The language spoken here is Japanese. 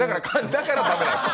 だから駄目なんです。